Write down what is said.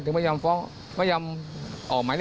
ซึ่งค่อนข้างมีความ